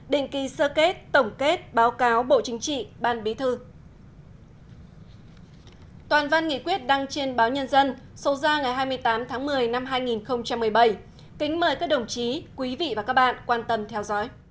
định kỳ sơ kết tổng kết báo cáo bộ chính trị ban bí thư